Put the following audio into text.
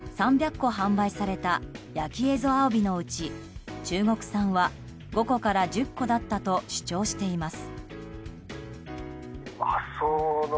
また、この業者は３００個販売された焼き蝦夷あわびのうち、中国産は５個から１０個だったと主張しています。